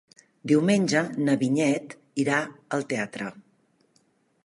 Diumenge na Vinyet irà al teatre.